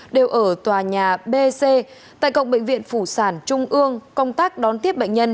đều ở tòa nhà b c tại cộng bệnh viện phủ sản trung ương công tác đón tiếp bệnh nhân